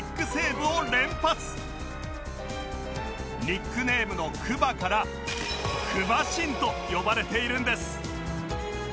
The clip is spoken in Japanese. ニックネームのクバからクバ神と呼ばれているんです